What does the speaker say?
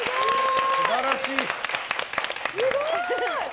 すごい！